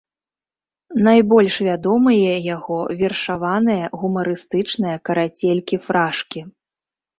Найбольш вядомыя яго вершаваныя гумарыстычныя карацелькі-фрашкі.